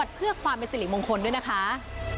ทรัพย์เพื่อความมริสิติมงคลด้วยนะคะ